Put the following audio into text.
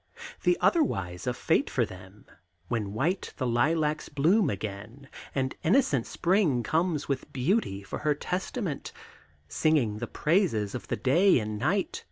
The otherwise of fate for them, when white The lilacs bloom again, and, innocent, Spring comes with beauty for her testament, Singing the praises of the day and night.